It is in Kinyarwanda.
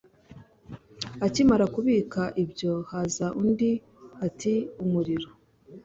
akimara kubika ibyo haza undi ati umuriro